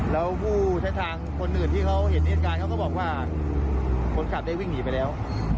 แล้วผู้ใช้ทางคนอื่นที่เขาเห็นเหตุการณ์เขาก็บอกว่าคนขับได้วิ่งหนีไปแล้ว